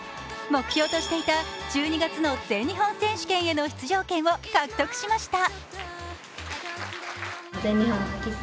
目標としていた１２月の全日本選手権への出場権を獲得しました。